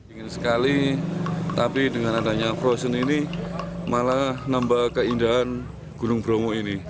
ingin sekali tapi dengan adanya frozen ini malah nambah keindahan gunung bromo ini